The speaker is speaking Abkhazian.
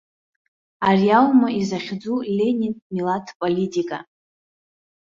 Ари аума изахьӡу ленинтә милаҭ политика?